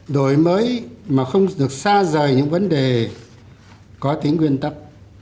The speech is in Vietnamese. đổi mới mà không được xa rời những vấn đề có tính nguyên tắc